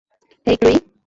হেই, Chloe.